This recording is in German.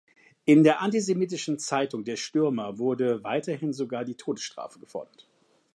In der antisemitischen Zeitung "Der Stürmer" wurde weiterhin sogar die Todesstrafe gefordert.